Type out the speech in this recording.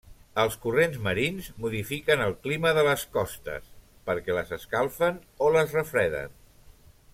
Els corrents marins modifiquen el clima de les costes perquè les escalfen o les refreden.